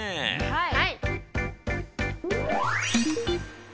はい。